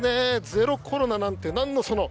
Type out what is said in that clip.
ゼロコロナなんて何のその。